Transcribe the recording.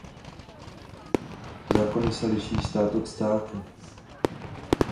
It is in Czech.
Zákony se liší stát od státu.